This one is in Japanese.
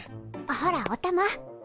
あほらっおたま。